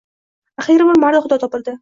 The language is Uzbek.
Axiyri bir mardi xudo topildi.